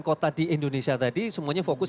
kota di indonesia tadi semuanya fokus